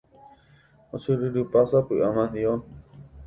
Ochyryrypa sapy'a mandi'o.